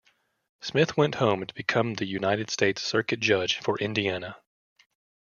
Smith went home to become the United States circuit judge for Indiana.